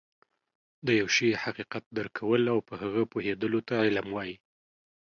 د يوه شي حقيقت درک کول او په هغه پوهيدلو ته علم وایي